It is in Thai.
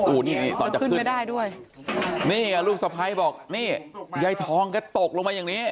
อู่นี่ตอนจะขึ้นนี่อ่ะลูกสะพ้ายบอกไยทองเขาตกลงมาอย่างนี้